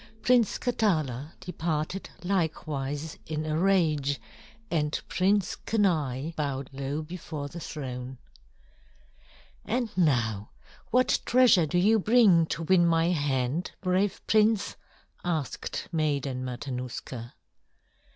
Prince Katala departed likewise in a rage, and Prince Kenai bowed low before the throne. "And now what treasure do you bring to win my hand, brave prince?" asked Maiden Matanuska.